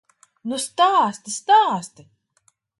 Nu stāsti, stāsti!